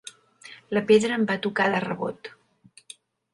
La pedra em va tocar de rebot.